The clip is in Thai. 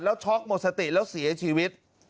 แล้วช็อกหมดสติแล้วเสียชีวิต